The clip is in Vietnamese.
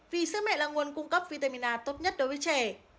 vì sữa mẹ là nguồn cung cấp vitamin a tốt nhất đối với trẻ